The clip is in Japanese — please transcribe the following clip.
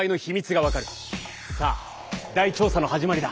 さあ大調査の始まりだ。